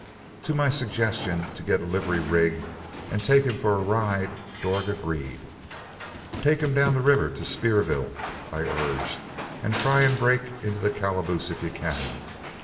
To my suggestion to get a livery rig and take him for a ride, Dorg agreed. "Take him down the river to Spearville," I urged, "and try and break into the calaboose if you can.